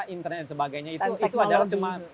internet dan sebagainya itu adalah cuma